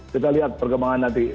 kita lihat perkembangan nanti